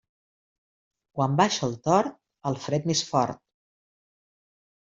Quan baixa el tord, el fred més fort.